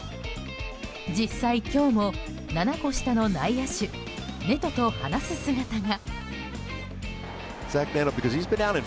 実際、今日も７個下の内野手ネトと話す姿が。